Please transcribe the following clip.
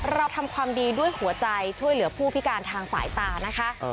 เราทำความดีด้วยหัวใจช่วยเหลือผู้พิการทางสายตานะคะ